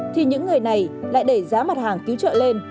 thì những người này lại để giá mặt hàng tiếu trợ lên